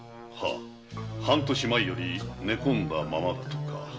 半年前より寝込んだままだとか。